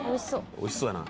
美味しそうやな。